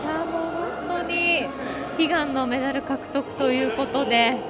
本当に悲願のメダル獲得ということで。